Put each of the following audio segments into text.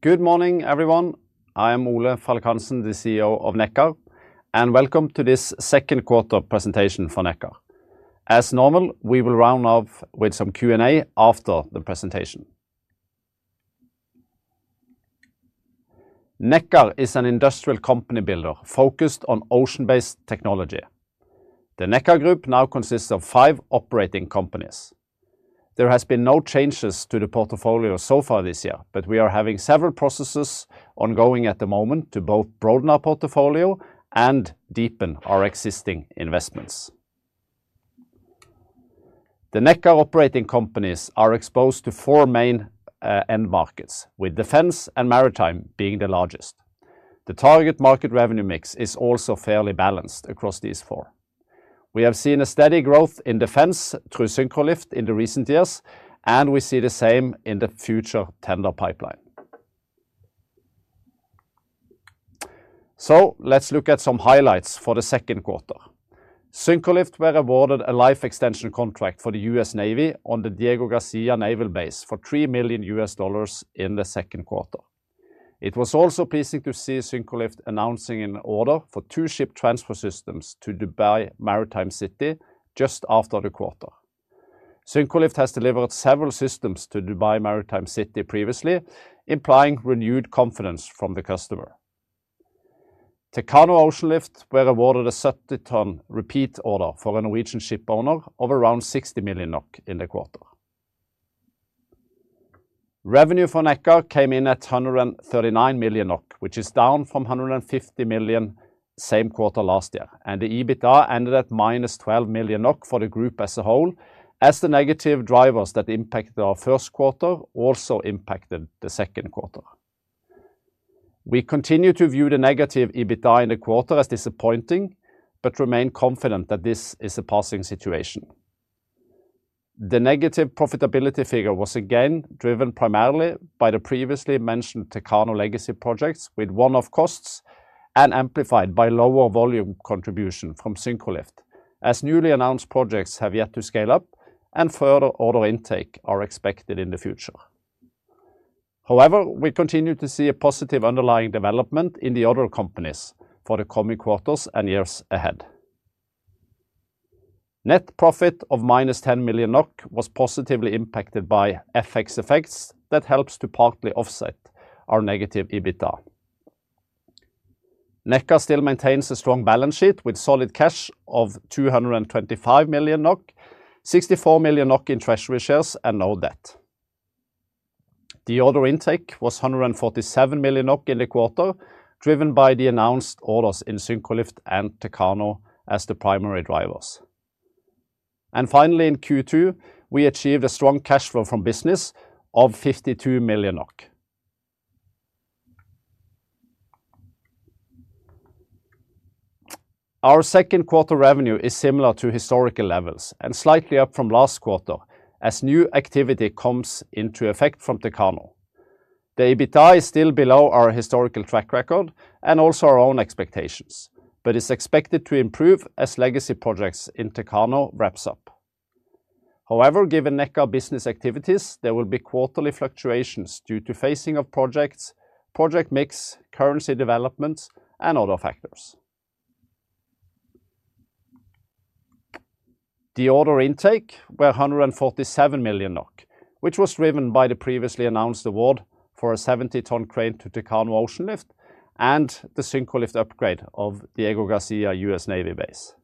Good morning, everyone. I am Ole Falk Hansen, the CEO of Nekkar, and welcome to this Second Quarter Presentation for Nekkar. As normal, we will round off with some Q&A after the presentation. Nekkar is an industrial company builder focused on ocean-based technology. The Nekkar Group now consists of five operating companies. There have been no changes to the portfolio so far this year, but we are having several processes ongoing at the moment to both broaden our portfolio and deepen our existing investments. The Nekkar operating companies are exposed to four main end markets, with defense and maritime being the largest. The target market revenue mix is also fairly balanced across these four. We have seen a steady growth in defense through Syncrolift in the recent years, and we see the same in the future tender pipeline. Let's look at some highlights for the second quarter. Syncrolift was awarded a life extension contract for the U.S. Navy on the Diego Garcia naval base for $3 million in the second quarter. It was also pleasing to see Syncrolift announcing an order for two ship transfer systems to Dubai Maritime City just after the quarter. Syncrolift has delivered several systems to Dubai Maritime City previously, implying renewed confidence from the customer. Techano Oceanlift was awarded a 70-ton repeat order for a Norwegian ship owner of around 60 million NOK in the quarter. Revenue for Nekkar came in at 139 million NOK, which is down from 150 million same quarter last year, and the EBITDA ended at -12 million NOK for the group as a whole, as the negative drivers that impacted our first quarter also impacted the second quarter. We continue to view the negative EBITDA in the quarter as disappointing, but remain confident that this is a passing situation. The negative profitability figure was again driven primarily by the previously mentioned Techano legacy projects, with one-off costs and amplified by lower volume contribution from Syncrolift, as newly announced projects have yet to scale up and further order intake are expected in the future. However, we continue to see a positive underlying development in the other companies for the coming quarters and years ahead. Net profit of -10 million NOK was positively impacted by FX effects that help to partly offset our negative EBITDA. Nekkar still maintains a strong balance sheet with solid cash of 225 million NOK, 64 million NOK in treasury shares, and no debt. The order intake was 147 million NOK in the quarter, driven by the announced orders in Syncrolift and Techano as the primary drivers. Finally, in Q2, we achieved a strong cash flow from business of 52 million NOK. Our second quarter revenue is similar to historical levels and slightly up from last quarter, as new activity comes into effect from Techano. The EBITDA is still below our historical track record and also our own expectations, but is expected to improve as legacy projects in Techano wrap up. However, given Nekkar business activities, there will be quarterly fluctuations due to phasing of projects, project mix, currency development, and other factors. The order intake was 147 million NOK, which was driven by the previously announced award for a 70-ton crane to Techano Oceanlift and the Syncrolift upgrade of Diego Garcia U.S. Navy base.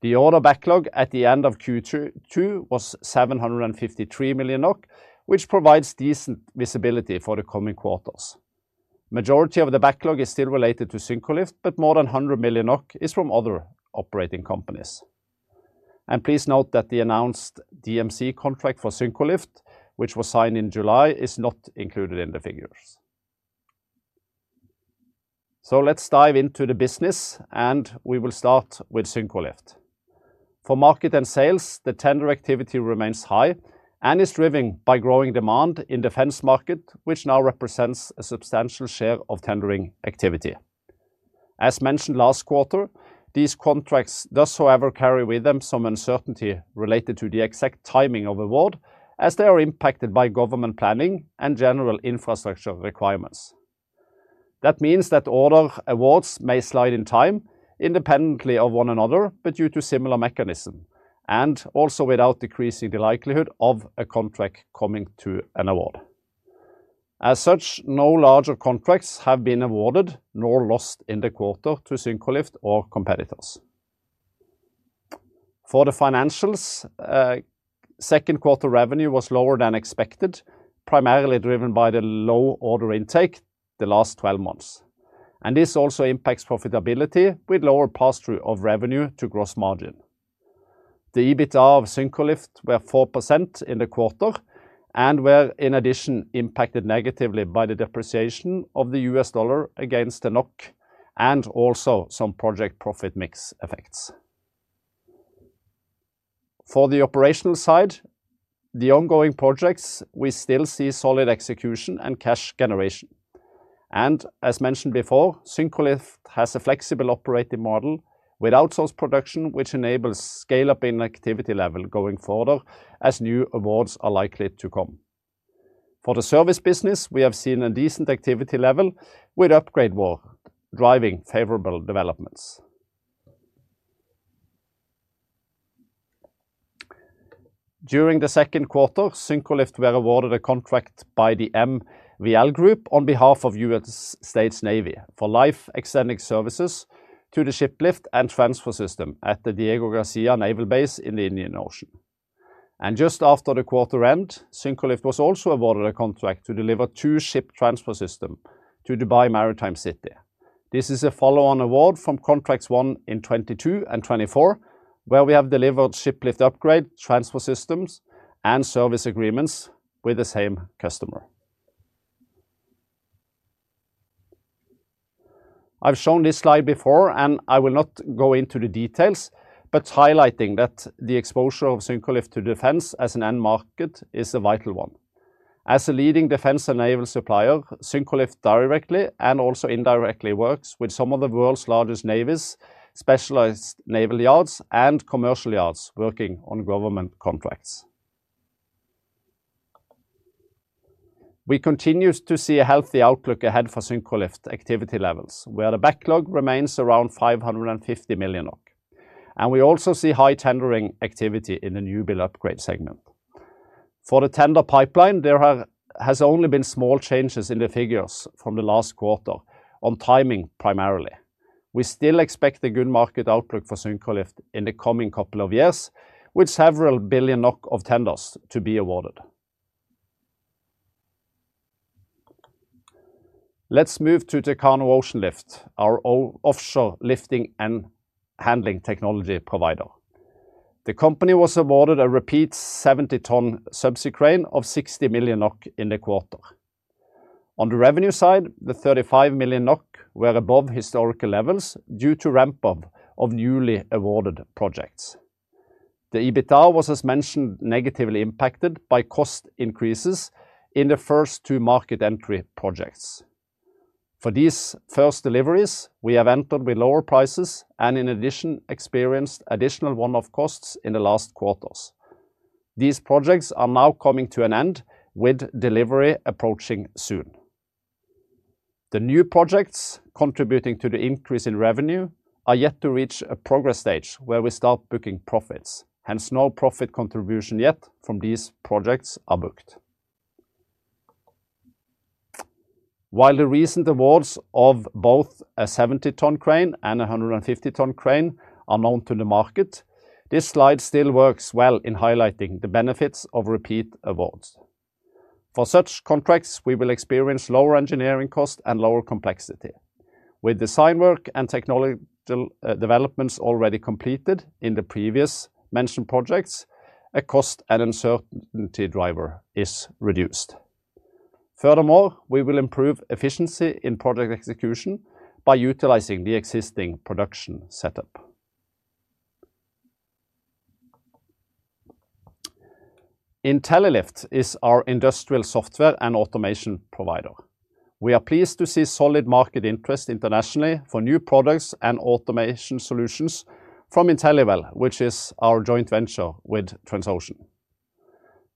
The order backlog at the end of Q2 was 753 million NOK, which provides decent visibility for the coming quarters. The majority of the backlog is still related to Syncrolift, but more than 100 million NOK is from other operating companies. Please note that the announced DMC contract for Syncrolift, which was signed in July, is not included in the figures. Let's dive into the business, and we will start with Syncrolift. For market and sales, the tender activity remains high and is driven by growing demand in the defense market, which now represents a substantial share of tendering activity. As mentioned last quarter, these contracts thus however carry with them some uncertainty related to the exact timing of the award, as they are impacted by government planning and general infrastructure requirements. That means that order awards may slide in time independently of one another, due to similar mechanisms and also without decreasing the likelihood of a contract coming to an award. As such, no larger contracts have been awarded nor lost in the quarter to Syncrolift or competitors. For the financials, second quarter revenue was lower than expected, primarily driven by the low order intake the last 12 months. This also impacts profitability with lower pass-through of revenue to gross margin. The EBITDA of Syncrolift was 4% in the quarter and was in addition impacted negatively by the depreciation of the U.S. dollar against the NOK and also some project profit mix effects. For the operational side, the ongoing projects, we still see solid execution and cash generation. As mentioned before, Syncrolift has a flexible operating model with outsourced production, which enables scale-up in activity level going further as new awards are likely to come. For the service business, we have seen a decent activity level with upgrade work driving favorable developments. During the second quarter, Syncrolift was awarded a contract by the MVL Group on behalf of the U.S. Navy for life extension services to the ship lift and transfer system at the Diego Garcia naval base in the Indian Ocean. Just after the quarter end, Syncrolift was also awarded a contract to deliver two ship transfer systems to Dubai Maritime City. This is a follow-on award from contracts won in 2022 and 2024, where we have delivered ship lift upgrades, transfer systems, and service agreements with the same customer. I've shown this slide before, and I will not go into the details, but highlighting that the exposure of Syncrolift to defense as an end market is a vital one. As a leading defense and naval supplier, Syncrolift directly and also indirectly works with some of the world's largest navies, specialized naval yards, and commercial yards working on government contracts. We continue to see a healthy outlook ahead for Syncrolift activity levels, where the backlog remains around 550 million NOK. We also see high tendering activity in the new build upgrade segment. For the tender pipeline, there have only been small changes in the figures from the last quarter on timing primarily. We still expect a good market outlook for Syncrolift in the coming couple of years, with several billion NOK of tenders to be awarded. Let's move to Techano Oceanlift, our offshore lifting and handling technology provider. The company was awarded a repeat 70-ton subsea crane of 60 million NOK in the quarter. On the revenue side, the 35 million NOK were above historical levels due to ramp-up of newly awarded projects. The EBITDA was, as mentioned, negatively impacted by cost increases in the first two market entry projects. For these first deliveries, we have entered with lower prices and in addition experienced additional one-off costs in the last quarters. These projects are now coming to an end, with delivery approaching soon. The new projects contributing to the increase in revenue are yet to reach a progress stage where we start booking profits. Hence, no profit contribution yet from these projects are booked. While the recent awards of both a 70-ton crane and a 150-ton crane are known to the market, this slide still works well in highlighting the benefits of repeat awards. For such contracts, we will experience lower engineering costs and lower complexity. With design work and technological developments already completed in the previously mentioned projects, a cost and uncertainty driver is reduced. Furthermore, we will improve efficiency in project execution by utilizing the existing production setup. Intellilift is our industrial software and automation provider. We are pleased to see solid market interest internationally for new products and automation solutions from Intelliwell, which is our joint venture with Transocean.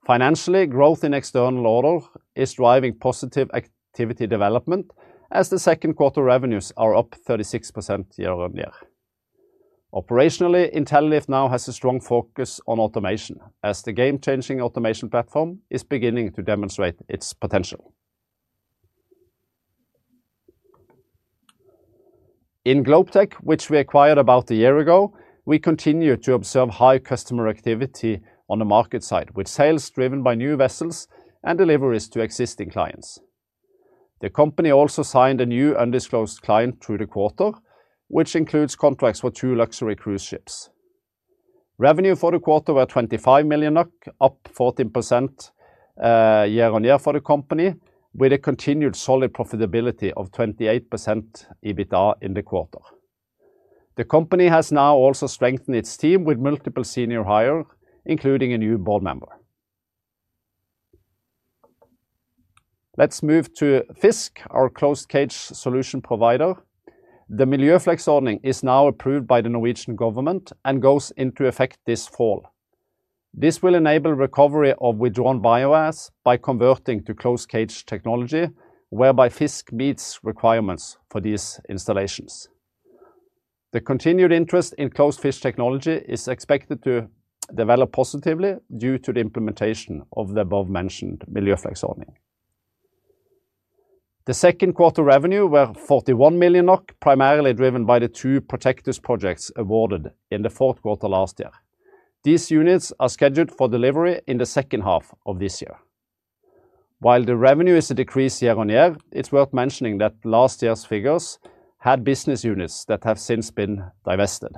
Financially, growth in external order is driving positive activity development, as the second quarter revenues are up 36% year-on-year. Operationally, Intellilift now has a strong focus on automation, as the game-changing automation platform is beginning to demonstrate its potential. In Globetech AS, which we acquired about a year ago, we continue to observe high customer activity on the market side, with sales driven by new vessels and deliveries to existing clients. The company also signed a new undisclosed client through the quarter, which includes contracts for two luxury cruise ships. Revenue for the quarter was 25 million, up 14% year-on-year for the company, with a continued solid profitability of 28% EBITDA in the quarter. The company has now also strengthened its team with multiple senior hires, including a new board member. Let's move to FiiZK, our closed-cage solution provider. The [Miljøflex] is now approved by the Norwegian government and goes into effect this fall. This will enable recovery of withdrawn biomass by converting to closed-cage technology, whereby FiiZK meets requirements for these installations. The continued interest in closed-cage technology is expected to develop positively due to the implementation of the above-mentioned [Miljøflex] regulation. The second-quarter revenue was 41 million NOK, primarily driven by the two Protectus projects awarded in the fourth quarter last year. These units are scheduled for delivery in the second half of this year. While the revenue is a decrease year on year, it's worth mentioning that last year's figures had business units that have since been divested.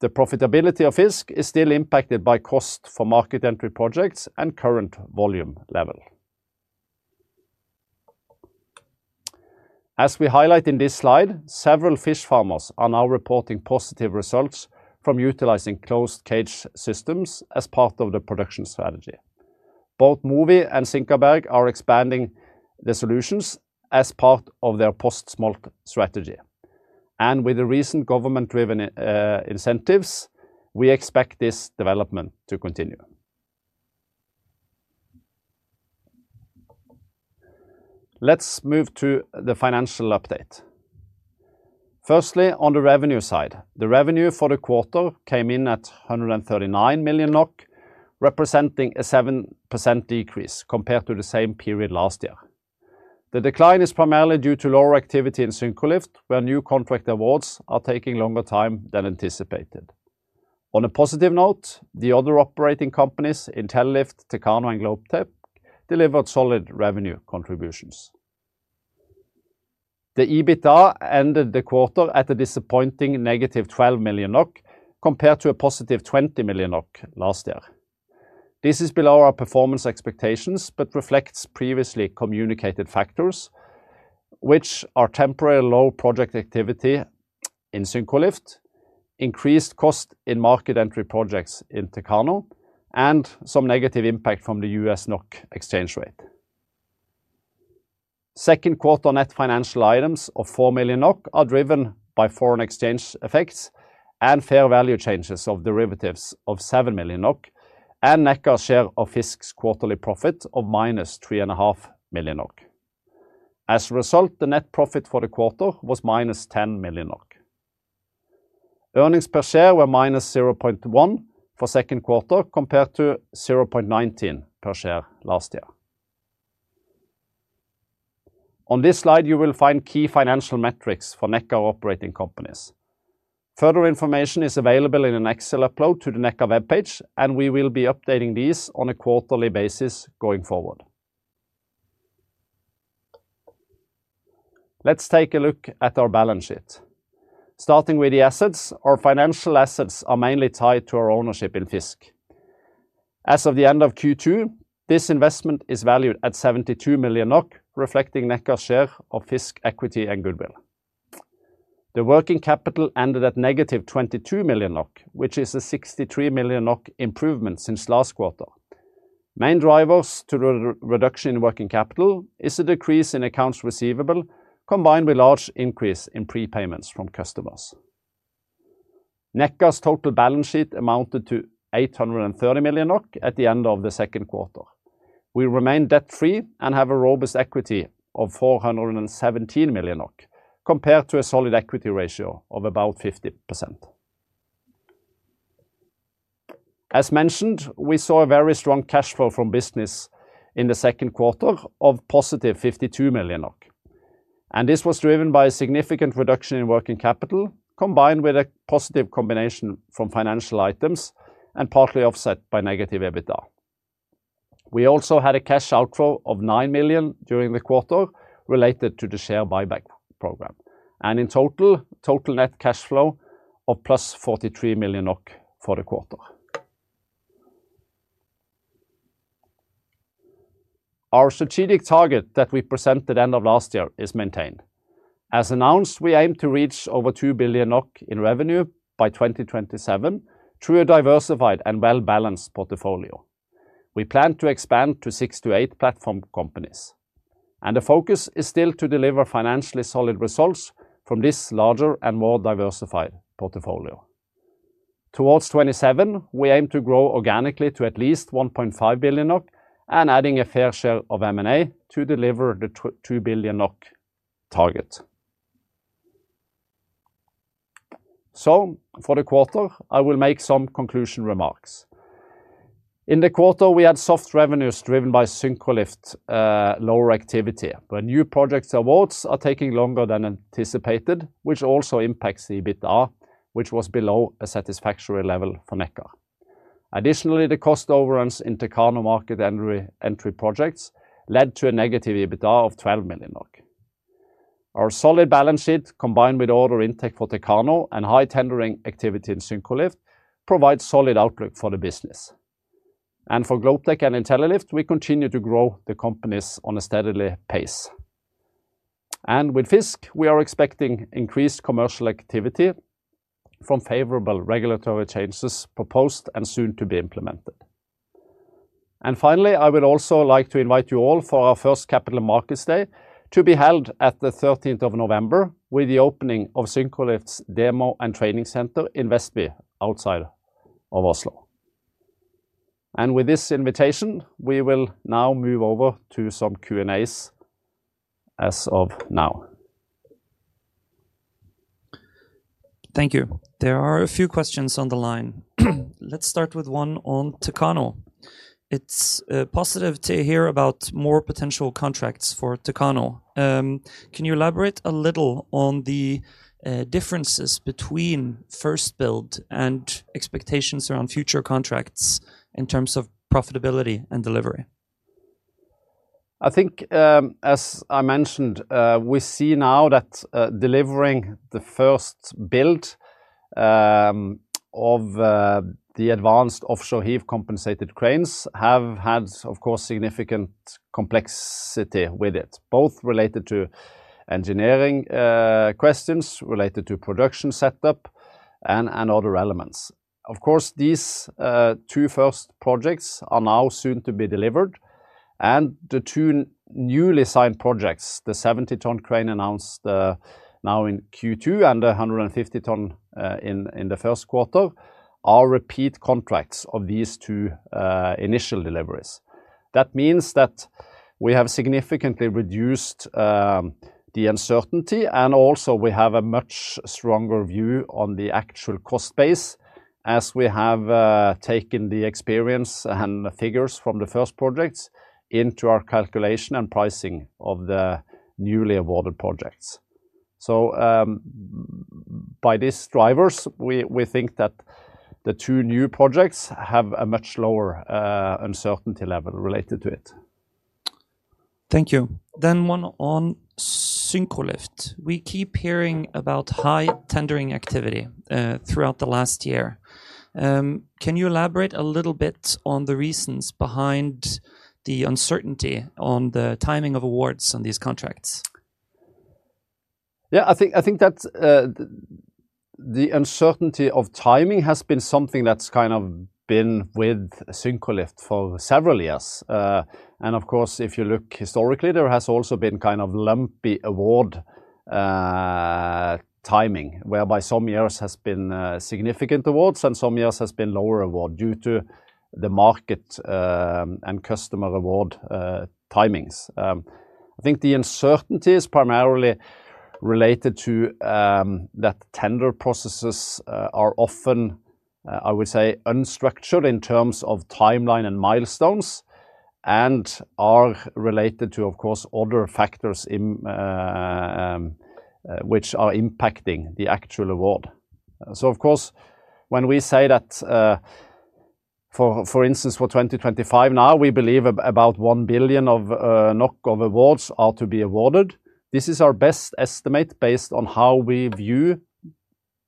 The profitability of FiiZK is still impacted by cost for market entry projects and current volume level. As we highlight in this slide, several fish farmers are now reporting positive results from utilizing closed-cage systems as part of the production strategy. Both Movi and Sinkaberg are expanding the solutions as part of their post-smolt strategy. With the recent government-driven incentives, we expect this development to continue. Let's move to the financial update. Firstly, on the revenue side, the revenue for the quarter came in at 139 million NOK, representing a 7% decrease compared to the same period last year. The decline is primarily due to lower activity in Syncrolift, where new contract awards are taking longer time than anticipated. On a positive note, the other operating companies, Intellilift, Techano, and Globetech, delivered solid revenue contributions. The EBITDA ended the quarter at a disappointing -12 million NOK compared to a +20 million NOK last year. This is below our performance expectations, but reflects previously communicated factors, which are temporary low project activity in Syncrolift, increased cost in market entry projects in Techano, and some negative impact from the USD/NOK exchange rate. Second quarter net financial items of 4 million NOK are driven by foreign exchange effects and fair value changes of derivatives of 7 million NOK, and Nekkar's share of FiiZK's quarterly profit of -3.5 million NOK. As a result, the net profit for the quarter was -10 million NOK. Earnings per share were -0.1 for the second quarter compared to 0.19 per share last year. On this slide, you will find key financial metrics for Nekkar operating companies. Further information is available in an Excel upload to the Nekkar webpage, and we will be updating these on a quarterly basis going forward. Let's take a look at our balance sheet. Starting with the assets, our financial assets are mainly tied to our ownership in FiiZK. As of the end of Q2 2024, this investment is valued at 72 million NOK, reflecting Nekkar's share of FiiZK equity and goodwill. The working capital ended at -22 million, which is a 63 million improvement since last quarter. Main drivers to the reduction in working capital is a decrease in accounts receivable, combined with a large increase in prepayments from customers. Nekkar's total balance sheet amounted to 830 million NOK at the end of the second quarter. We remain debt-free and have a robust equity of 417 million NOK, compared to a solid equity ratio of about 50%. As mentioned, we saw a very strong cash flow from business in the second quarter of +52 million. This was driven by a significant reduction in working capital, combined with a positive contribution from financial items and partly offset by negative EBITDA. We also had a cash outflow of 9 million during the quarter related to the share buyback program. In total, net cash flow of +43 million for the quarter. Our strategic target that we presented at the end of last year is maintained. As announced, we aim to reach over 2 billion NOK in revenue by 2027 through a diversified and well-balanced portfolio. We plan to expand to six to eight platform companies. The focus is still to deliver financially solid results from this larger and more diversified portfolio. Towards 2027, we aim to grow organically to at least 1.5 billion NOK and add a fair share of M&A to deliver the 2 billion NOK target. For the quarter, I will make some concluding remarks. In the quarter, we had soft revenues driven by Syncrolift's lower activity. New project awards are taking longer than anticipated, which also impacts the EBITDA, which was below a satisfactory level for Nekkar. Additionally, the cost overruns in Techano market entry projects led to a negative EBITDA of 12 million. Our solid balance sheet, combined with order intake for Techano and high tendering activity in Syncrolift, provides a solid outlook for the business. For Globetech and Intellilift, we continue to grow the companies at a steady pace. With FiiZK, we are expecting increased commercial activity from favorable regulatory changes proposed and soon to be implemented. I would also like to invite you all for our first Capital Markets Day to be held on the 13th of November, with the opening of Syncrolift's demo and training centre in Vestby outside of Oslo. With this invitation, we will now move over to some Q&As as of now. Thank you. There are a few questions on the line. Let's start with one on Techano. It's positive to hear about more potential contracts for Techano. Can you elaborate a little on the differences between first build and expectations around future contracts in terms of profitability and delivery? I think, as I mentioned, we see now that delivering the first build of the advanced offshore heave compensated cranes has had, of course, significant complexity with it, both related to engineering questions, related to production setup, and other elements. These two first projects are now soon to be delivered, and the two newly signed projects, the 70-ton crane announced now in Q2 and the 150-ton in the first quarter, are repeat contracts of these two initial deliveries. That means that we have significantly reduced the uncertainty, and also we have a much stronger view on the actual cost base, as we have taken the experience and the figures from the first projects into our calculation and pricing of the newly awarded projects. By these drivers, we think that the two new projects have a much lower uncertainty level related to it. Thank you. One on Syncrolift. We keep hearing about high tendering activity throughout the last year. Can you elaborate a little bit on the reasons behind the uncertainty on the timing of awards on these contracts? Yeah, I think that the uncertainty of timing has been something that's kind of been with Syncrolift for several years. Of course, if you look historically, there has also been kind of lumpy award timing, whereby some years have been significant awards and some years have been lower awards due to the market and customer award timings. I think the uncertainty is primarily related to that tender processes are often, I would say, unstructured in terms of timeline and milestones and are related to, of course, other factors which are impacting the actual award. For instance, for 2025 now, we believe about 1 billion of awards are to be awarded. This is our best estimate based on how we view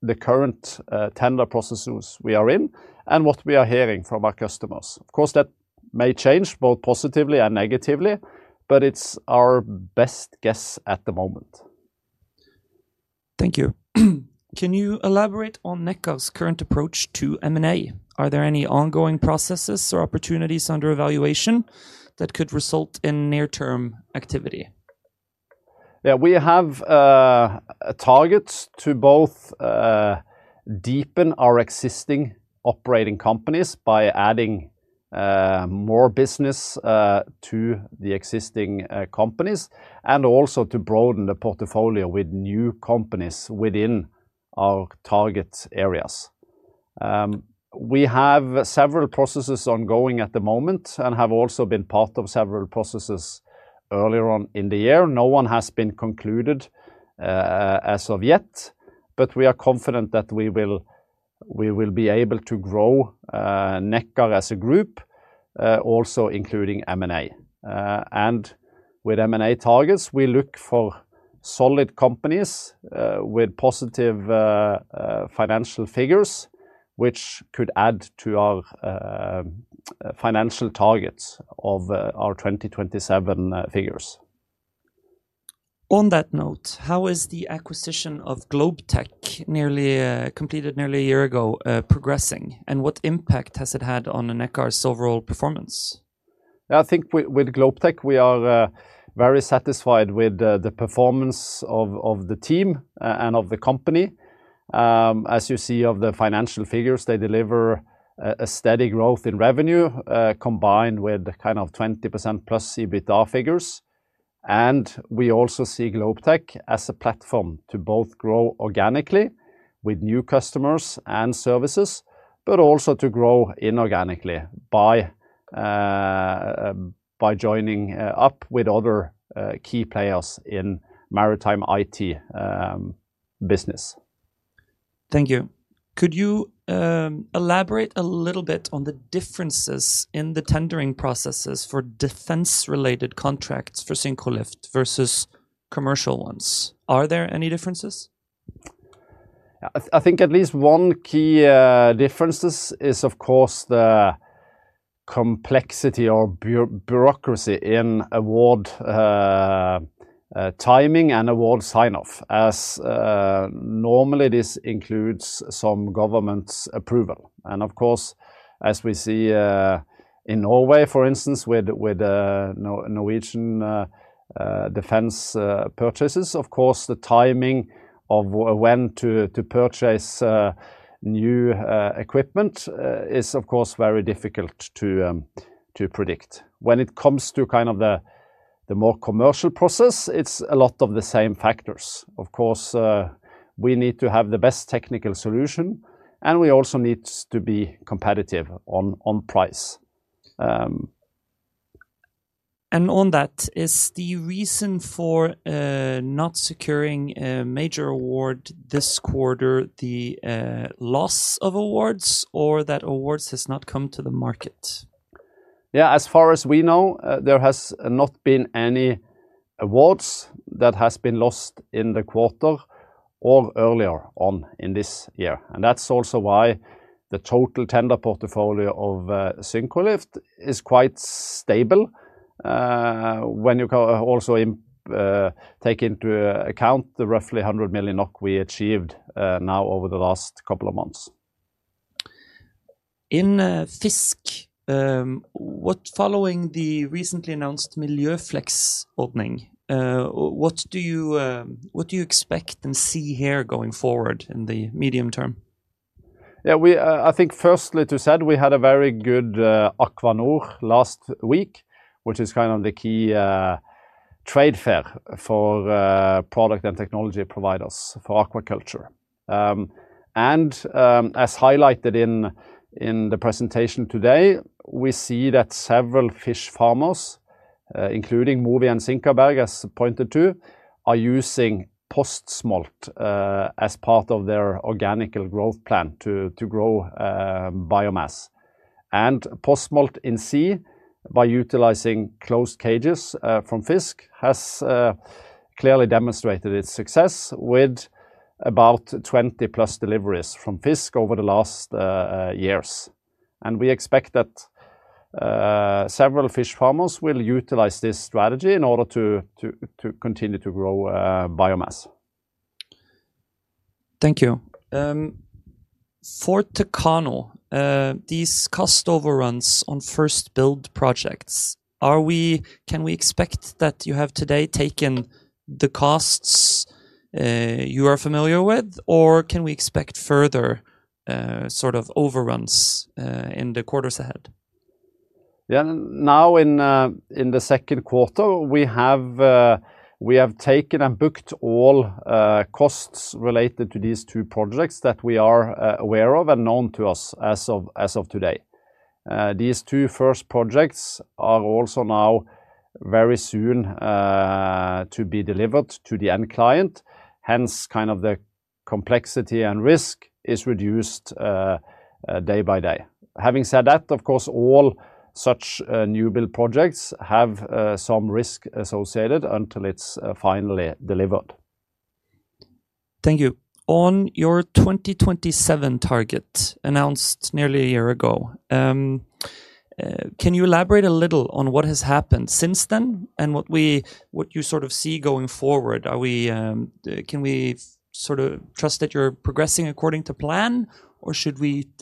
the current tender processes we are in and what we are hearing from our customers. Of course, that may change both positively and negatively, but it's our best guess at the moment. Thank you. Can you elaborate on Nekkar's current approach to M&A? Are there any ongoing processes or opportunities under evaluation that could result in near-term activity? Yeah, we have targets to both deepen our existing operating companies by adding more business to the existing companies and also to broaden the portfolio with new companies within our target areas. We have several processes ongoing at the moment and have also been part of several processes earlier on in the year. No one has been concluded as of yet. We are confident that we will be able to grow Nekkar as a group, also including M&A. With M&A targets, we look for solid companies with positive financial figures, which could add to our financial targets of our 2027 figures. On that note, how is the acquisition of Globetech completed nearly a year ago progressing? What impact has it had on Nekkar's overall performance? Yeah, I think with Globetech, we are very satisfied with the performance of the team and of the company. As you see of the financial figures, they deliver a steady growth in revenue combined with kind of 20%+ EBITDA figures. We also see Globetech as a platform to both grow organically with new customers and services, but also to grow inorganically by joining up with other key players in maritime IT business. Thank you. Could you elaborate a little bit on the differences in the tendering processes for defense-related contracts for Syncrolift versus commercial ones? Are there any differences? I think at least one key difference is, of course, the complexity or bureaucracy in award timing and award sign-off, as normally this includes some government approval. As we see in Norway, for instance, with Norwegian defense purchases, the timing of when to purchase new equipment is very difficult to predict. When it comes to the more commercial process, it's a lot of the same factors. Of course, we need to have the best technical solution, and we also need to be competitive on price. Is the reason for not securing a major award this quarter the loss of awards, or that awards have not come to the market? As far as we know, there have not been any awards that have been lost in the quarter or earlier on in this year. That's also why the total tender portfolio of Syncrolift is quite stable when you also take into account the roughly 100 million NOK we achieved now over the last couple of months. In FiiZK, following the recently announced [Miljøflex], what do you expect and see here going forward in the medium term? Yeah, I think first, like you said, we had a very good Aqua Nor last week, which is kind of the key trade fair for product and technology providers for aquaculture. As highlighted in the presentation today, we see that several fish farmers, including Movi and Sinkaberg, as pointed to, are using post-smolt as part of their organic growth plan to grow biomass. Post-smolt in sea, by utilizing closed-cage aquaculture solutions from FiiZK, has clearly demonstrated its success with about 20+ deliveries from FiiZK over the last years. We expect that several fish farmers will utilize this strategy in order to continue to grow biomass. Thank you. For Techano, these cost overruns on first build projects, can we expect that you have today taken the costs you are familiar with, or can we expect further sort of overruns in the quarters ahead? Now in the second quarter, we have taken and booked all costs related to these two projects that we are aware of and known to us as of today. These two first projects are also now very soon to be delivered to the end client. Hence, the complexity and risk are reduced day by day. Having said that, of course, all such new build projects have some risk associated until it's finally delivered. Thank you. On your 2027 target announced nearly a year ago, can you elaborate a little on what has happened since then and what you sort of see going forward? Can we sort of trust that you're progressing according to plan, or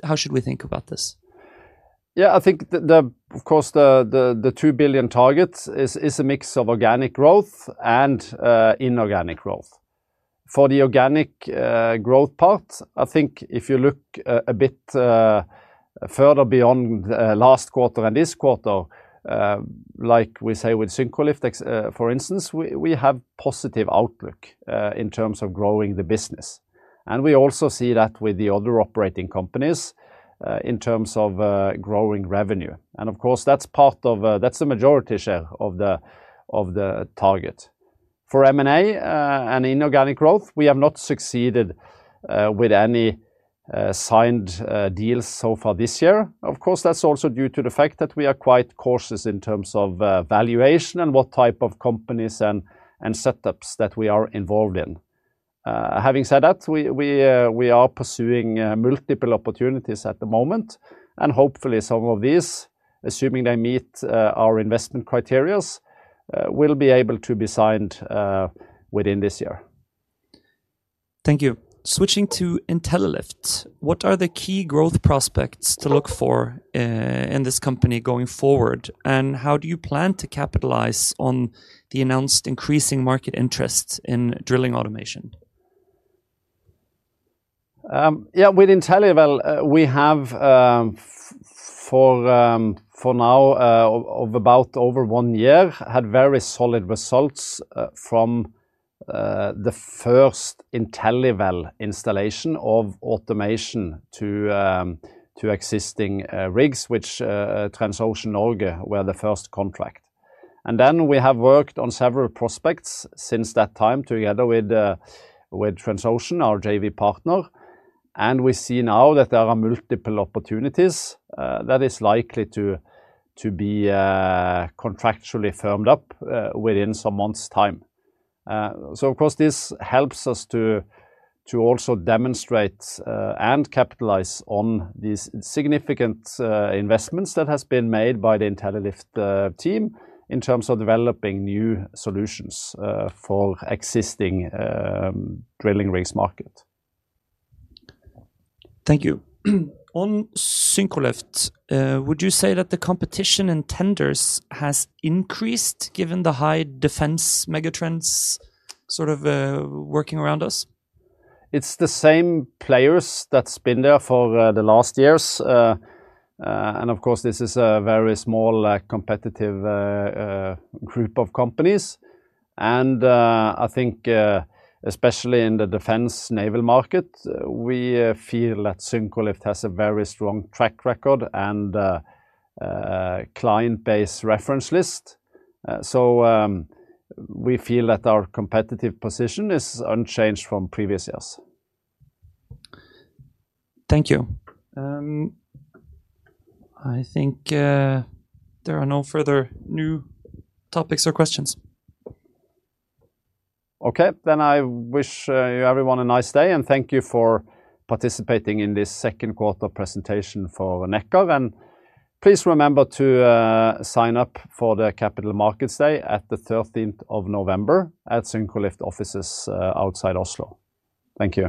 how should we think about this? Yeah, I think that, of course, the $2 billion target is a mix of organic growth and inorganic growth. For the organic growth part, I think if you look a bit further beyond last quarter and this quarter, like we say with Syncrolift, for instance, we have a positive outlook in terms of growing the business. We also see that with the other operating companies in terms of growing revenue. Of course, that's part of, that's the majority share of the target. For M&A and inorganic growth, we have not succeeded with any signed deals so far this year. That's also due to the fact that we are quite cautious in terms of valuation and what type of companies and setups that we are involved in. Having said that, we are pursuing multiple opportunities at the moment, and hopefully some of these, assuming they meet our investment criteria, will be able to be signed within this year. Thank you. Switching to Intellilift, what are the key growth prospects to look for in this company going forward, and how do you plan to capitalize on the announced increasing market interest in drilling automation? With Intelliwell, we have for now about over one year had very solid results from the first Intelliwell installation of automation to existing rigs, which TRANSOCEAN NORGE were the first contract. We have worked on several prospects since that time together with TRANSOCEAN, our JV partner, and we see now that there are multiple opportunities that are likely to be contractually firmed up within some months' time. This helps us to also demonstrate and capitalize on these significant investments that have been made by the Intellilift team in terms of developing new solutions for the existing drilling rigs market. Thank you. On Syncrolift, would you say that the competition in tenders has increased given the high defense megatrends sort of working around us? It's the same players that have been there for the last years, and of course, this is a very small competitive group of companies. I think, especially in the defense naval market, we feel that Syncrolift has a very strong track record and client-based reference list. We feel that our competitive position is unchanged from previous years. Thank you. I think there are no further new topics or questions. Okay, then I wish everyone a nice day and thank you for participating in this second quarter presentation for Nekkar. Please remember to sign up for the Capital Markets Day at the 13th of November at Syncrolift offices outside Oslo. Thank you.